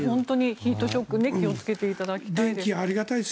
ヒートショック気をつけていただきたいです。